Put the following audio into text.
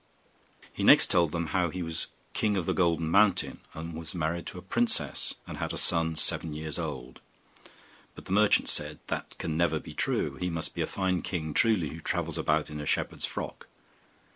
He next told them how he was king of the Golden Mountain, and was married to a princess, and had a son seven years old. But the merchant said, 'that can never be true; he must be a fine king truly who travels about in a shepherd's frock!